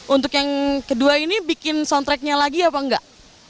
untuk yang kedua ini bikin soundtracknya lagi apa enggak